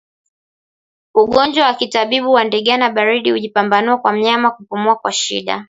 Ungojwa wa kitabibu wa ndigana baridi hujipambanua kwa mnyama kupumua kwa shida